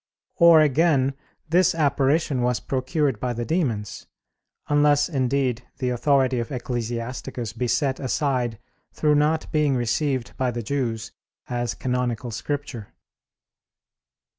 Or, again, this apparition was procured by the demons; unless, indeed, the authority of Ecclesiasticus be set aside through not being received by the Jews as canonical Scripture.